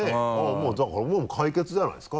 もうだからもう解決じゃないですか？